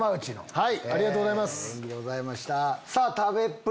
はい。